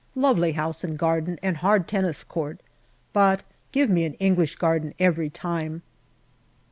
Lovely house and garden and hard tennis court. But give me an English garden every time.